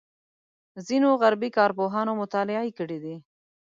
ځینو غربي کارپوهانو مطالعې کړې دي.